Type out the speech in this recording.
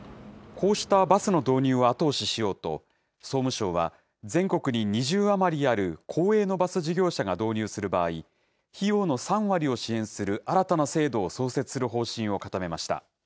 こうしたバスの導入を後押ししようと、総務省は、全国に２０余りある公営のバス事業者が導入する場合、費用の３割を支援する新たな制度を創設する方針を固めました。